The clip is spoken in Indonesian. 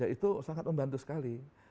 itu sangat membantu sekali